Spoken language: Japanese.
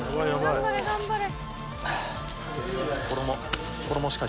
頑張れ頑張れ！